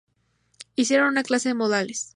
Hicieron una clase de Modales.